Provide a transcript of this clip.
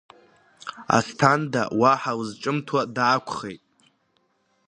Асҭанда уаҳа лызҿымҭуа даақәхеит.